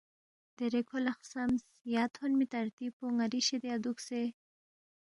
دیرے کھو لہ خسمس، یا تھونمی ترتیب پو ن٘ری شِدیا دُوکسے